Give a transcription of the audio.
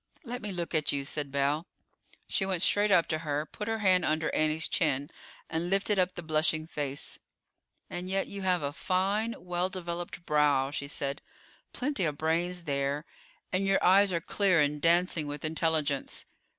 "Let me look at you," said Belle. She went straight up to her, put her hand under Annie's chin, and lifted up the blushing face. "And yet you have a fine, well developed brow," she said; "plenty of brains there, and your eyes are clear and dancing with intelligence.